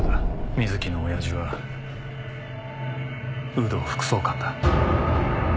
水木の親父は有働副総監だ。